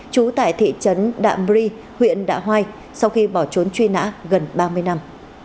trú tại thị trấn đạm ri huyện đạ hoai sau khi bỏ trốn truy nã gần ba mươi năm